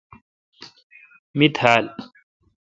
می تھال۔